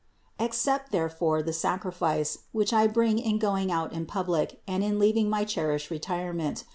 Accept therefore the sacri fice, which I bring in going out in public and in leaving my cherished retirement.